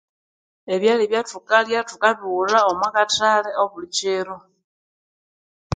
Ebyalya ebyathukalya thukabighula omwakathali obulikiro